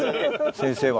先生は。